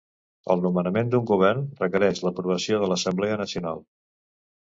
El nomenament d'un govern requereix l'aprovació de l'Assemblea Nacional.